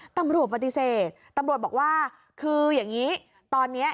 ตำรวจปฏิเสธตำรวจบอกว่าคืออย่างนี้ตอนนี้